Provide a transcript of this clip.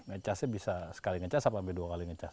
ngecasnya bisa sekali ngecas sampai dua kali ngecas